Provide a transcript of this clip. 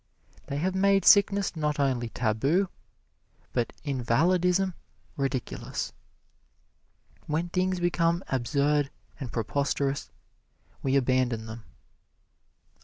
They have made sickness not only tabu, but invalidism ridiculous. When things become absurd and preposterous, we abandon them.